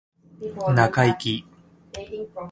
中イキ